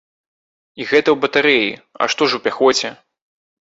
І гэта ў батарэі, а што ж у пяхоце?